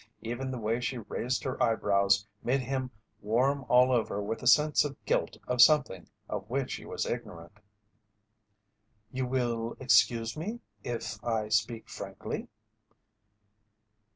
Even the way she raised her eyebrows made him warm all over with a sense of guilt of something of which he was ignorant. "You will excuse me if I speak frankly?"